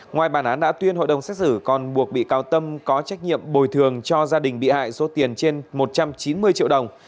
ngoài bản án đã tuyên hội đồng xét xử còn buộc bị cáo tâm có trách nhiệm bồi thường cho gia đình bị hại số tiền trên một trăm chín mươi triệu đồng